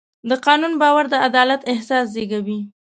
د قانون باور د عدالت احساس زېږوي.